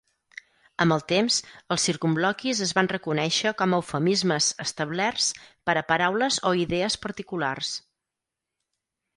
Amb el temps, els circumloquis es van reconèixer com a eufemismes establerts per a paraules o idees particulars.